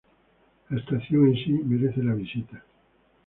La estación en sí merece la visita.